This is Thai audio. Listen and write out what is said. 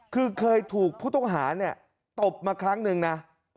คือเคยถูกผู้ต้องหาเนี่ยตบมาครั้งหนึ่งนะ